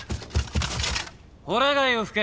ほら貝を吹け。